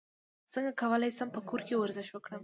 څنګه کولی شم په کور کې ورزش وکړم